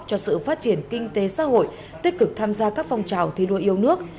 cho sự phát triển kinh tế xã hội tích cực tham gia các phong trào thi đua yêu nước